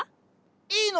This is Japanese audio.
いいの？